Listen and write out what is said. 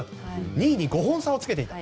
２位に５本差をつけていた。